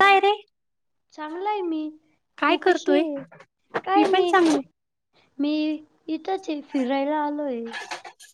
काय रे चांगलाय मी तू काय कशी करतोय आहे मी काय पण नाही. चांगले मी इथंच फिरायला आलोय.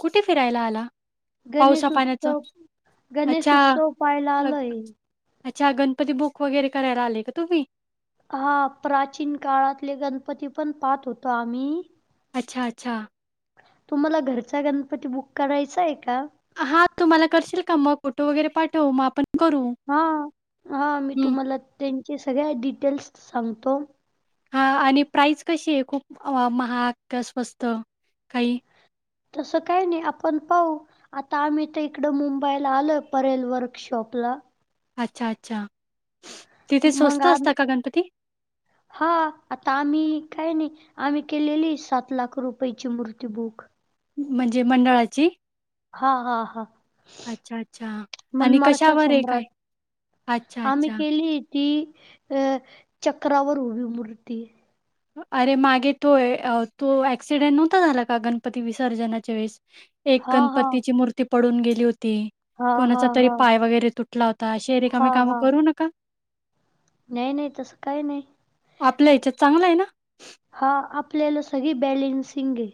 कुठे फिरायला आला पावसा गणेश पाण्याच उत्सव गणेश अच्छा उत्सव पाहायला अ आलोय. अच्छा गणपती बुक वगैरे करायला आले का तुम्ही. हा प्राचीन काळातले गणपती पण पाहत होतो आम्ही अच्छा अच्छा. तुम्हाला घरचा गणपती बुक करायचा आहे का. हा तुम्हाला करशील का मग फोटो वगैरे पाठवू मग आपण करू. हा हा मी हम्म. तुम्हाला त्यांचे सगळ्या डिटेल्स सांगतो. हा आणि प्राईज कशी आहे खूप महाग स्वस्त काही तसं काही नाही आपण पाह. आता आम्ही तर इकड मुंबईला आलोय परेल वर्कशॉपला. अच्छा अच्छा तिथे मग स्वस्त आम असतात का गणपती हा आता आम्ही काय नाही. आम्ही केलेली सात लाख रुपयाची मृर्त्यू बूक म्हणजे मंडळाची हा हा हा अच्छा अच्छा आणि मनमाडचा कशावर आहे काय सम्राट अच्छा अच्छा. ही अ चक्रावर उभी मर्ती अरे मागे तोय तो ऍक्सिडेंट नव्हता झाला का गणपती विसर्जनाच्या वेळेस एक हा हा गणपतीची मूर्ती पडून गेली होती हा हा कोणाचा तरी हा पाय वगैरे तुटला होता अशी हा रिकाम कामं हा करू नका. नाही नाही तसं काही नाही. आपल्या ह्याच्यात चांगला आहे ना हा आपल्याला सगळी बॅलन्सिंग आहे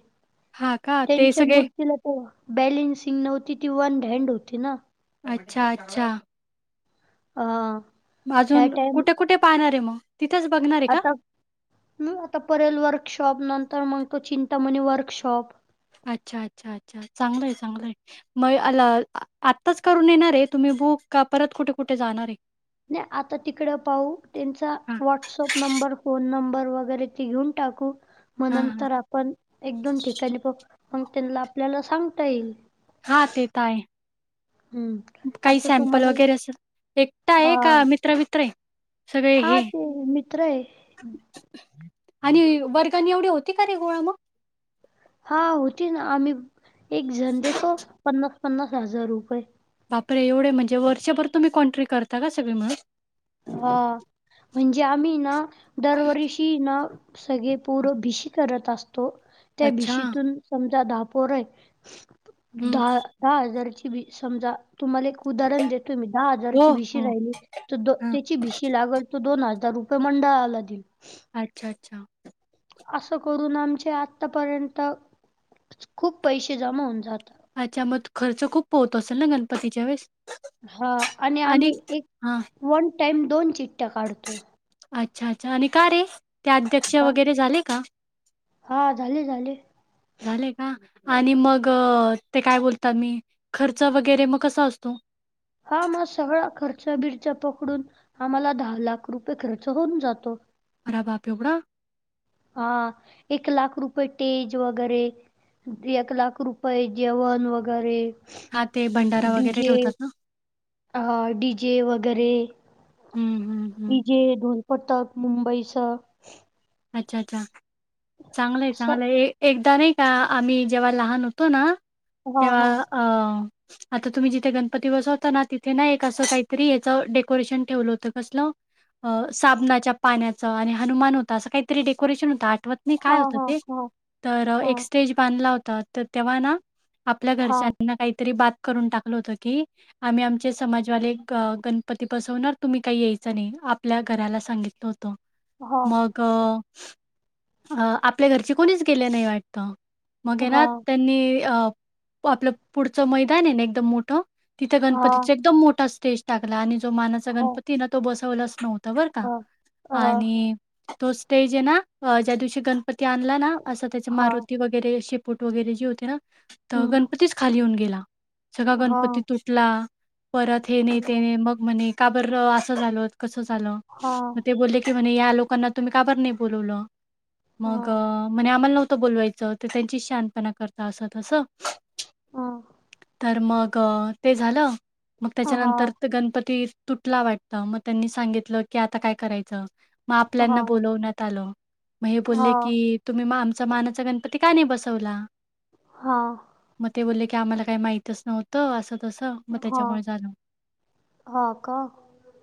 हां का? ते त्यांच्या सगळे मूर्तीला. हो बॅलेन्सिंग नव्हती ती वन हँड होती ना. अच्छा अच्छा. ह अजून कुठे कुठे पाहणार आहे मग तिथेच बघणार आहे का? आता. मी आता परेल वर्कशॉप नंतर मगतो चिंतामणी वर्कशॉप अच्छा अच्छा अच्छा चांगलय चांगलंय. मग अला आत्ताच करून येणार आहे तुम्ही बुक का परत कुठे कुठे जाणार आहे. नाही आता तिकडे पाहू त्यांचा हां, व्हॉट्सअप नंबर फोन नंबर वगैरे ते घेऊन टाकू मग हां, हां. नंतर आपण एक दोन ठिकाणी प मग त्यांना आपल्याला सांगता येईल. हा ते तर आहे. हम्म. काही आता सॅम्पल तुम्हाला वगैरे अस एकटा आहे हा का मित्रवित्र सगळे हे हा ते मित्र हाय. आणि वर्गानी एवढी होती का रे गोळा मग? हा होती ना. आम्ही एक जण देतो पन्नास पन्नास हजार रुपये. बापरे! एवढे म्हणजे वर्षभर तुम्ही कोंट्री करता का सगळी मिळुन. हा म्हणजे आम्ही ना दरवर्ष - - र्षीना सगळे पोर भीशी करत असतो त्या अच्छा. भिशीतून - - समजा दहापोर हाय हं. दहा दहा हजारची बी समजा तुम्हाला एक उदाहरण देतो मी दहा हो, हजाराची भिशी हो. राहिली तर दो - - हां. त्याची भीशी लागल तो दोन हजार रुपये मंडळाला दिल. अच्छा अच्छा असं करून आमचे आतापर्यंत खूप पैसे जमा होऊन जात अच्छा मत खर्च खूप होत असेल ना गणपतीच्या वेळेस. हां आणि आम्ही एक, हां. वन टाइम दोन चिट्टया काढतो. अच्छा अच्छा आणि का रे ते अध्यक्ष वगैरे झाले का? हां. झाले झाले. झाले का? आणि मग ते काय बोलता मी? खर्च वगैरे मग, कसा असतो? हा म सगळा खर्चा बिरचा पकडून आम्हाला दहा लाख रुपये खर्च होऊन जातो. [unintelligible] हां. एक लाख रुपये टेज वगैरे एक लाख रुपये जेवण वगैरे. हां, ते भंडारा वगैरे डीजे ठेवतात ना? हं डीजे वगैरे ऊं हूं डीजे, ढोलपतक मुंबईसं अच्छा अच्छा. चांगलं आय असं चांगलंय. एकदा नाही का आम्ही जेव्हा लहान होतो ना. हां, तेव्हा हां. अं. आता तुम्ही जिथे गणपती बसवता ना तिथे ना एक असं काहीतरी हेचं डेकोरेशन ठेवलं होत कसलं? अ साबणाच्या पाण्याचं आणि हनुमान ह तसं काहीतरी डेकोरेशन होतं. आठवत नाही काय हां, होतं हां, ते? हां, तर एक स्टेज बांधला होता. तर तेव्हां हाय ना आपल्या हां, घरच्यांना काहीतरी बात करून टाकलं होतं की. आम्ही आमचे समाजवाले ग गणपती बसवणार. तुम्ही काय यायचं नाही आपल्या घराला सांगितलं. हां, मग, अ आपल्या घरची कोणीच गेल्या नाही वाटतं? मग ऐना हां, त्यांनी अ आपलं पुढचं मैदान आहे ना एकदम मोठं तिथं हां, गणपतीचा एकदम मोठा स्टेज टाकला आणि जो मानाचा हां, हां, गणपती हायना तो बसवलाच ठेवून. बर का हां. अ, आणि तो स्टेज आहे ना ज्या दिवशी गण तो आणला ना असा त्याचा हां, मारुती वगैरे शेपूट वगैरे जे होते ना तर हं, गणपतीचं खाली येऊन गेला. सगळा गणपती हां, तुटला. परत हेन तेन मग. म्हणे का बर असं झाल? कसं झालं? हां मग ते बोलले की म्हणे या लोकांना तुम्ही का बरं नाही बोलवलं? मग, हां, म्हणे आम्हाला नव्हतं बोलवायचं. त्यांची शानपणा करता अस तसं. हां, तर मग ते झालं. मग त्याच्यानंतर हां, गणपती तुटला वाटत. मग त्यांनी सांगितलं की आता काय करायचं? मग हां, आपल्याना हां, बोलवण्यात आलं. मग हे बोलले हां, की- तुम्ही म आमचा मानाचा गणपती का नाही बसवला? हां मग ते बोलले की आम्हाला काही माहितच नव्हतं, असं तसं मग त्याच्यामुळे झालं. हं का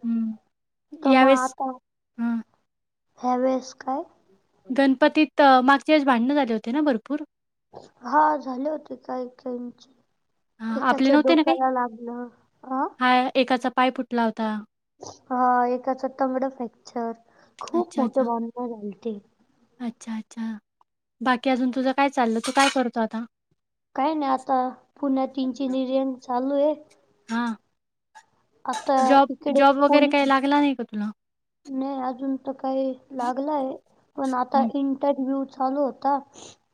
हं. तर मा आ यावेळेस कोण? हं. ह्या वेळेस काय गणपतीत मागच्या वेळेस भांडणं झाले होते ना भरपूर हा झाले होते काय काय यचे हा आपले नव्हते ना काही आ? हा एकाचा पाय फुटला होता हा एकाच तंगड फ्रॅक्चर खूप अच्छा, मोठ अच्छा. भांडण झाल ती अच्छा अच्छा बाकी अजून तुझं काय चाललं तू काय करतो आता काय नाही आता पुण्यात इंजिनीयरिंग चालू आहे हा आता इकडे जॉब वगैरे काही पोलीस लागला नाही का तुला? नाही अजून तर काही लागलंय पण आता हं. इंटरव्ह्यू चालू होता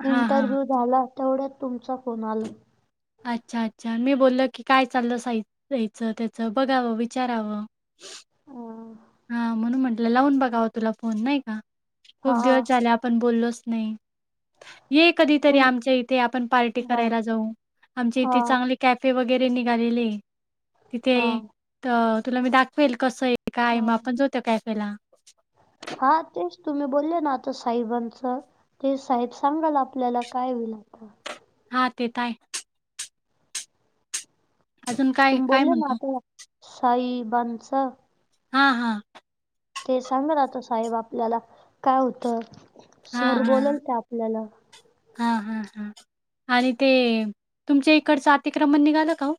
हां, हां. इंटरव्ह्यू झाला तेवढ्यात तुमचा फोन आला अच्छा अच्छा मी बोलले की काय चाललंय साई हेच त्याच बघावं विचारावं हा हा म्हणून म्हंटलं लावून बघावा तुला फोन नाही का हा खूप दिवस झाले आपण बोललोच नाही ये कधीतरी तुम आमच्या इथे आपण पार्टी हा करायला जाऊ आमच्या हा इथे चांगली कॅफे वगैरे निघालेले तिथे हा तर तुला मी दाखवेल कसं आहे काय हा मग आपण जाऊ त्या कॅफेला हा तेच तुम्ही बोलले ना आता साहेबांचं ते साहेब सांगाले आपल्याला काय होईल ते हा तेेत आहे अजून काय तुम्ही काय बोलले ना म्हणतो? ते साहेबांच हा हा ते सांगल आता साहेब आपल्याला काय होतं सर हां, बोलाल हां, ते आपल्याला हां हां हां आणि ते तुमच्या इकडचं अतिक्रमण निघालं का ओ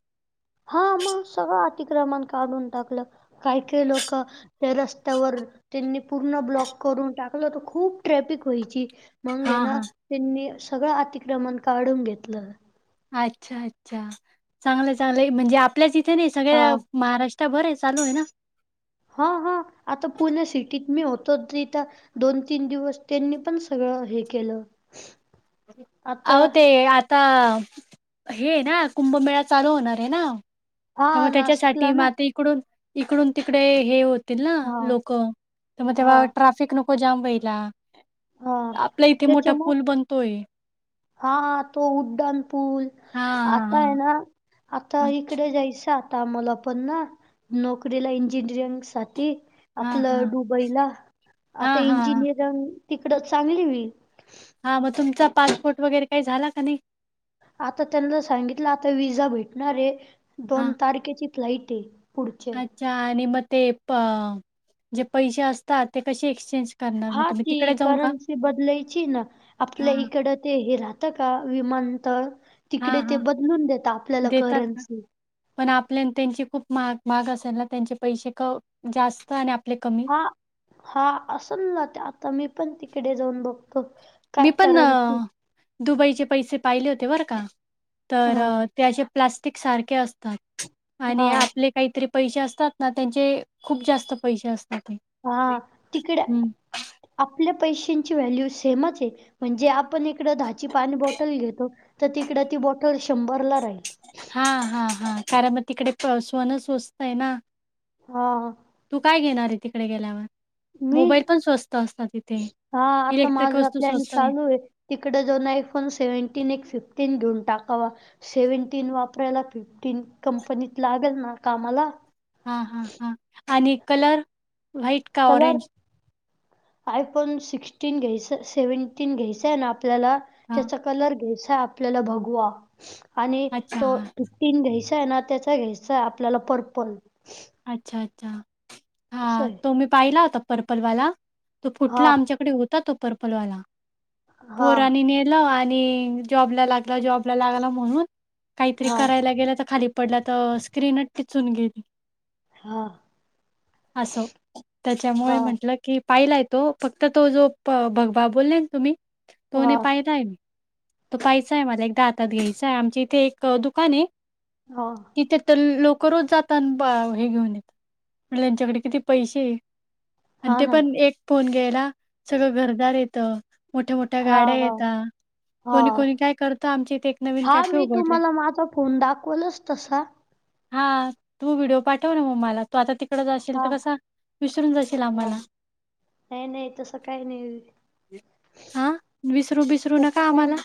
हा मग सगळं अतिक्रमण काढून टाकलं काही काही लोक त्या रस्त्यावर त्यांनी पूर्ण ब्लॉक करून टाक लं त खूप ट्रॅफिक व्हायची मग आहे हां, ना हां. त्यांनी सगळं अतिक्रमण काढून घेतलं अच्छा अच्छा चांगलं चांगलं म्हणजे आपल्याच इथे नाही हा सगळ्या महाराष्ट्र त्या बरं हे आहे चालू आहे ना हा हा आता पुणे सिटीत मी होतो तिथं दोन तीन दिवस त्यांनी पण सगळं हे केलं आता अहो ते आता हे आहे ना कुंभमेळा चालू होणार आहे ना हा तर मग त्याच्यासाठी नाशिकला ना माती इकडून इकडून तिकडे हे होतील ना हा लोक मग तेव्हा हा ट्राफिक शिक नको जाम व्हायला हा आपला इथे मोठा त्याच्यामुळे पूल बनतोय हा तो उड्डाण पूल हां, आता आहे हां, ना आता हां. इकडे जायसात आम्हाला पण ना नोकरीला इंजिनिअरिंग साठी हां, हां, आपलं हां. दुबईला आता हां, हां, हां. इंजिनिअरिंग तिकड चांगली होईल हा मग तुमचा पासपोर्ट वगैरे काही झाला का नाही आता त्यांना सांगितलं आता विजा भेटणार आहे हां. दोन तारखेची फ्लाइट आहे पुढचे आणि मग ते जे पैसे असतात ते कसे एक्सचेंज करणार हा मग तुम्ही ती तिकडे जाऊन का? करन्सी बदलायची ना आपल्या हां, इकडं ते हे राहत का विमानतळ तिकडे हां, ते हां. बदलून देत आपल्याला देतात का? करन्सी पण आपल्या त्यांची खूप महाग महाग असेल ना त्यांचे पैसे का जास्त आणि आपले कमी हा हा असल ना ते आता मी पण तिकडे जाऊन बघतो. मी काय पण कारण की दुबईचे पैसे पाहिले होते बरं का तर हां, त्याचे प्लास्टिक सारखे असतात आणि हां, आपले काहीतरी पैसे असतात ना त्यांचे खूप जास्त पैसे असतात ते. हा तिकड हं. आपल्या पैशांची व्हॅल्यू सेमच आहे म्हणजे आपण इकडं दहाची पाणी बॉटल घेतो. तर तिकड ती बॉटल शंभरला राहील. हा हा हा कारण मग तिकडे सोन स्वस्त आहे ना? हा. तू काय घेणार आहे तिकडे गेल्यावर. मी मोबाईल पण स्वस्त असतात इथे हां, आता इलेक्ट्रिक माझा वस्तू प्लॅन स्वस्त आहे. चालू तिकडे दोन आयफोन सेव्हन्टीन एक फिफ्टीन घेऊन टाकावा. सेव्हन्टीन वापरायला फिफ्टीन कंपनीत लागेल ना कामाला. हा हां हां आणि कलर व्हाईट का कलर ऑरेंज? आयफोन सिक्स्टीन घ्यायच सेव्हन्टीन घ्यायचय ना आपल्याला हां, त्याचा कलर घ्यायचा आपल्याला बगवा आणि अच्छा, तो हां. तीन घ्यायचा आहे ना त्याचा घ्यायचा आपल्याला पर्पल अच्छा अच्छा हा असं आहे तो मी पाहिला होता पर्पल वाला. तो हा फुटला आमच्याकडे होता तो पर्पलवाला हा पोर आणि नेर आणि जॉबला लागला जॉबला लागला म्हणून काहीतरी हा करायला गेलं तर खाली पडल्या तर स्क्रीनच टिचून गेली. हा. असो त्याच्यामुळे हा म्हटलं की पाहिलाय तो फक्त तो जो भगबा बोलला ना तुम्ही तो हा नाही पाहिला आहे मी. तो पाहायचा आहे मला एकदा आातात घ्यायचाय आमची इथे एक दुकान आहे. हा. तिथे तर लोकरोज जातात हे घेऊन येत प त्यांच्याकडे किती पैसे [inaudible] आणि हा ते ना पण एक फोन घ्यायला सगळं घरदार येतं मोठ्या मोठ्या हा गाड्या हा येतात. हा कोणी कोणी काय करतं आमचे इथ एक नवीन हा कॅफे मी उघडले. तुम्हाला माझा फोन दाखवलच तसा हा तुम्ही व्हिडिओ पाठव ना मग मला तो आता तिकड जाशील हा तर कसा विसरून जाशील हा आम्हाला नाही नाही तसं काही नाही. विसर बी तस काही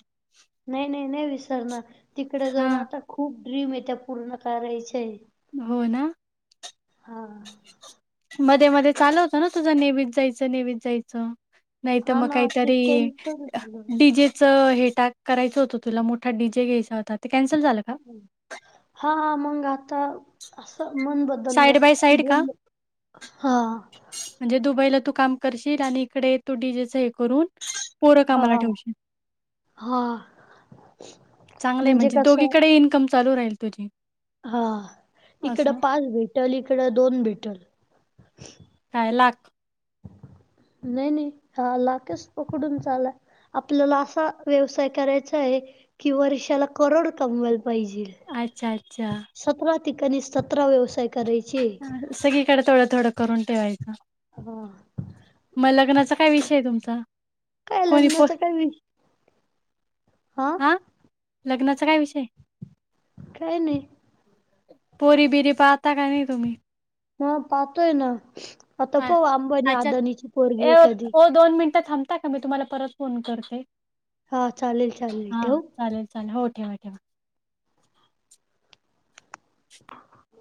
नाही नाही नाही विसरणार तिकडे हा जाऊन आता खूप ड्रीम यता्या पूर्ण करयचे. होय ना? मध्ये मध्ये चालव होतं ना तुझं नेव्ही जायचं नेव्हीत जायचं. नाहीत हा मग ना ते काहीतरी कॅन्सल झालं डीजे चं हे टाक करायचं होतं तुला मोठा डी जे घ्यायचा होता ते कॅन्सल झालं का? हा मंग आता असं मन ब बदल साईड बाय की साईड का बोलल हा. म्हणजे दुबईला तू काम करशील आणि इकडे तू डीजेच हे करून पोरं हा कामाला ठेवशील हा. चांगलंय म्हणजे दोघीकडे इन्कम ल राहील तुझी. हा इकडं असं पाच भेटल इकडं दोन भेटल. काय लाख? नाही नाही हा लाकेच पकडून चाला. आपल्याला असा व्यवसाय करायचा आहे. की वर्षाला करोड कमवायला पाहिजे. अच्छा अच्छा. सतरा ठिकाणी सतरा व्यवसाय करायचे. अं, सगळीकडे थोडं थोडं करून ठेवायचं. ह. मग लग्नाचा काय विषय आहे तुमचा? काय कोणी लग्न पो असं काही वि हा. ह लग्नाचा काय विषय काय नाही पोरी बिरी पाहता का नाही तुम्ही? हा पाहतोय ना आता हा पाऊ आंबानी अच्छा आदानीची ए पोरगी एखादी ओ दोन मिनिटं थांबता का मी तुम्हाला परत फोन करते हा चालेल चालेल हा ठेवू? चालेल. चाल हो ठेवा ठेवा. [unintelligible]